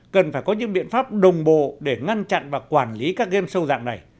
cần phải có những biện pháp đồng bộ để ngăn chặn và quản lý các game show dạng này